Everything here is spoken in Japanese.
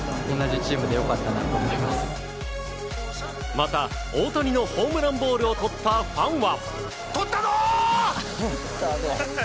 また、大谷のホームランボールをとったファンは。